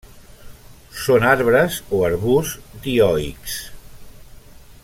Són arbres o arbusts dioics.